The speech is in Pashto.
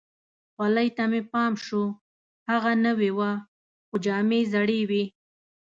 خولۍ ته مې پام شو، هغه نوې وه، خو جامې زړې وي.